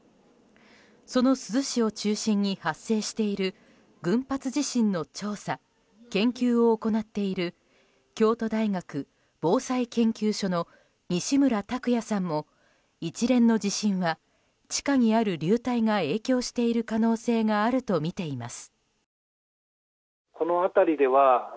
その珠洲市を中心に発生している群発地震の調査・研究を行っている京都大学防災研究所の西村卓也さんも一連の地震は地下にある流体が影響している可能性があると見ています。